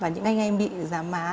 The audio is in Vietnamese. và những anh em bị giảm má